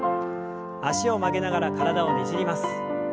脚を曲げながら体をねじります。